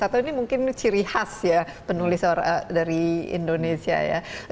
atau ini mungkin ciri khas ya penulis dari indonesia ya